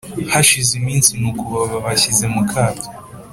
hashize iminsi nuko baba babashyize mu kato